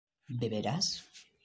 ¿beberás?